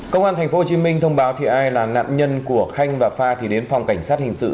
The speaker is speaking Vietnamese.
công an tp hcm thông báo thì ai là nạn nhân của khanh và pha thì đến phòng cảnh sát hình sự